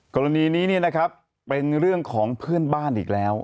กรณีนี้นะครับเป็นเรื่องของเพื่อนบ้านอีกแล้ว